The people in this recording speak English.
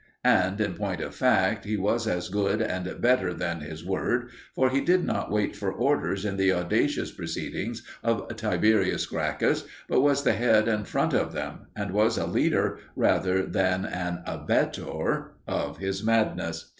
And in point of fact he was as good and better than his word for he did not wait for orders in the audacious proceedings of Tiberius Gracchus, but was the head and front of them, and was a leader rather than an abettor of his madness.